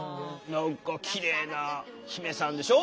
何かきれいな姫さんでしょ？